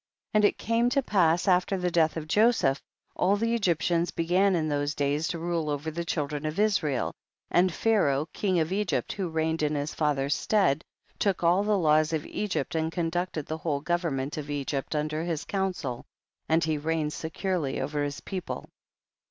28. And it came to pass after the death of Joseph, all the Egyptians began in those days to rule over the children of Israel, and Pharaoh, king of Egypt, who reigned in his father's stead, took all the laws of Egypt and conducted the whole government of Egypt under his counsel, and he reigned securely over his people.